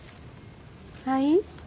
はい？